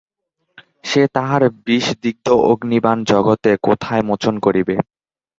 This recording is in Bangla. সে তাহার বিষদিগ্ধ অগ্নিবাণ জগতে কোথায় মোচন করিবে।